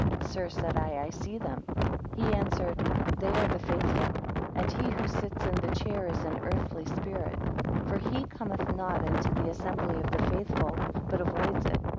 Sir, said I, I see them. He answered, They are the faithful; and he who sits in the chair is an earthly spirit. 2 For he cometh not into the assembly of the faithful, but avoids it.